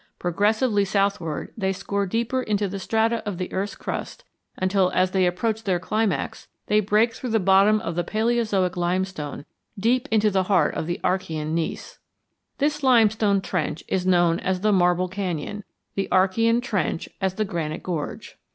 Progressively southward they score deeper into the strata of the earth's crust until, as they approach their climax, they break through the bottom of the Paleozoic limestone deep into the heart of the Archean gneiss. This limestone trench is known as the Marble Canyon, the Archean trench as the Granite Gorge.